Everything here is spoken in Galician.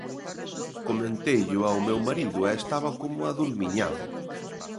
Comenteillo ao meu marido e estaba como adurmiñado.